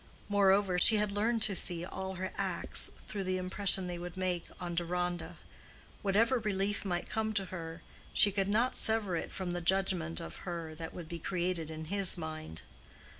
Moreover, she had learned to see all her acts through the impression they would make on Deronda: whatever relief might come to her, she could not sever it from the judgment of her that would be created in his mind.